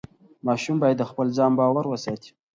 ماشوم باید د خپل ځان باور وساتي.